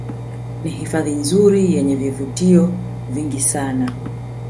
Ni hifadhi nzuri yenye vivutio vingi sana